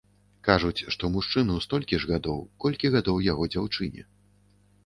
Кажуць, што мужчыну столькі ж гадоў, колькі гадоў яго дзяўчыне.